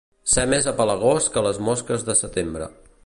Ser més apegalós que les mosques de setembre.